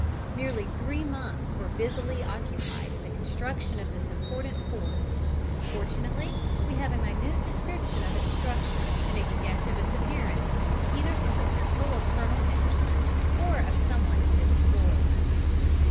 Nearly three months were busily occupied in the construction of this important fort. Fortunately we have a minute description of its structure, and a sketch of its appearance, either from the pencil of Colonel Henderson, or of some one in his employ.